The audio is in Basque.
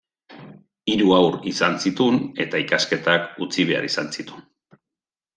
Hiru haur zan zituen eta ikasketak utzi behar izan zituen.